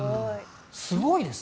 すごいですね。